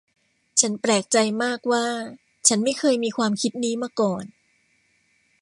ฉันแปลกใจมากว่าฉันไม่เคยมีความคิดนี้มาก่อน